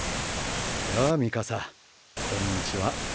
やぁミカサこんにちは。